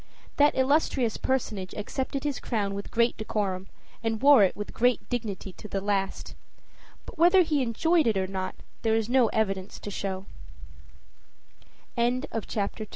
That illustrious personage accepted his crown with great decorum, and wore it with great dignity to the last. But whether he enjoyed it or not there is no evidence to show. CHAPTER III And what of the little lame Princ